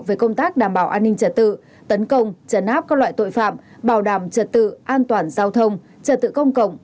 về công tác đảm bảo an ninh trật tự tấn công chấn áp các loại tội phạm bảo đảm trật tự an toàn giao thông trật tự công cộng